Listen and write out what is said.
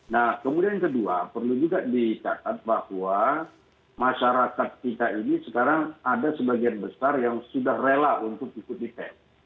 nah kemudian kedua perlu juga dicatat bahwa masyarakat kita ini sekarang ada sebagian besar yang sudah rela untuk ikut di tes